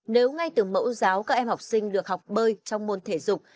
nếu ngay từ mẫu giáo các em học sinh được học bơi trong môn thể dục